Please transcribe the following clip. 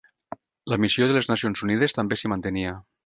La missió de les Nacions Unides també s'hi mantenia.